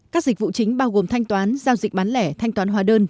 các dịch vụ chính bao gồm thanh toán giao dịch bán lẻ thanh toán hóa đơn